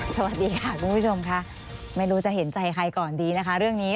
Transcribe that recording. สวัสดีค่ะคุณผู้ชมค่ะไม่รู้จะเห็นใจใครก่อนดีนะคะเรื่องนี้